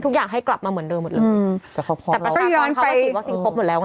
ทุกอย่างให้กลับมาเหมือนเดิมหมดแล้ว